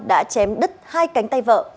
đã chém đứt hai cánh tay vợ